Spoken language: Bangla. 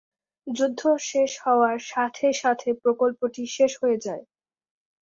যুদ্ধ শেষ হওয়ার সাথে সাথে প্রকল্পটি শেষ হয়ে যায়।